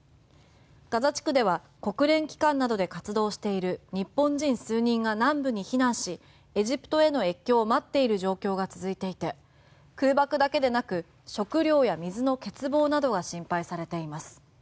ガザ地区では国連機関などで活動している日本人数人が南部に避難しエジプトへの越境を待っている状況が続いていて空爆だけでなく食料や水の欠乏などが心配されています。